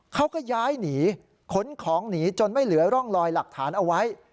เขาก็ย้ายหนีขนของหนีจนไม่เหลือร่องลอยหลักฐานเอาไว้